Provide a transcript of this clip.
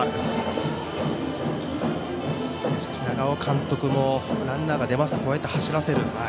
しかし長尾監督もランナーが出ますとこうやって走らせる。